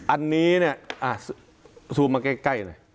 อันนี้เนี่ยซูมมาใกล้